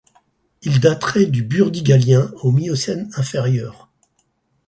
Ils dateraient du Burdigalien, au Miocène inférieur.